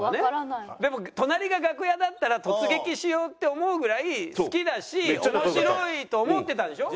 でも隣が楽屋だったら突撃しようって思うぐらい好きだし面白いと思ってたんでしょ？